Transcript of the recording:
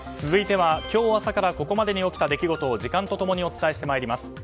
続いては今日朝からここまでに起きた出来事を時間と共にお伝えしてまいります。